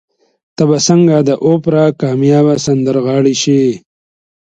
ته به څنګه د اوپرا کاميابه سندرغاړې شې؟